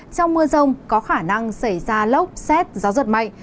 trong mưa rông có khả năng xảy ra lốc xét gió giật mạnh